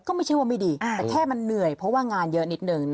ก็ไม่ใช่ว่าไม่ดีแต่แค่มันเหนื่อยเพราะว่างานเยอะนิดนึง